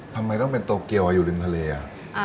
ทำไมต้องเป็นโตเกียวอยู่ริมทะเลอ่ะ